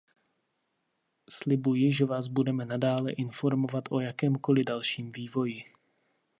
Slibuji, že vás budeme nadále informovat o jakémkoli dalším vývoji.